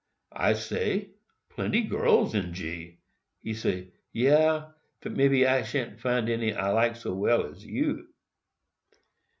I say, plenty girls in G. He say, 'Yes—but maybe I shan't find any I like so well as you.